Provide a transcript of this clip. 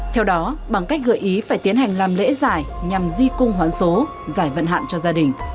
theo đó bằng cách gợi ý phải tiến hành làm lễ giải nhằm di cung hoán số giải vận hạn cho gia đình